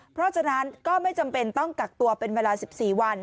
เพราะฉะนั้นก็ไม่จำเป็นต้องกักตัวเป็นเวลา๑๔วัน